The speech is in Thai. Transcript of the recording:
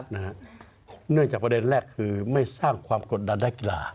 เนื่องจากประเด็นแรกคือไม่สร้างความกดดันด้านกีฬา